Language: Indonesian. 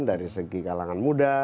dari segi kalangan muda